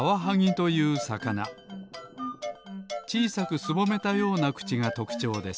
ちいさくすぼめたようなくちがとくちょうです